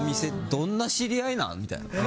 どんな知り合いなん？みたいな。